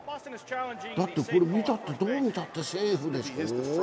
だって、これ見たってどう見たってセーフでしょ？